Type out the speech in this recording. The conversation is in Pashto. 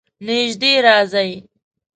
نژدې راځئ